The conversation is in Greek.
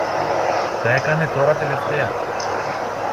Τα έκανε τώρα τελευταία.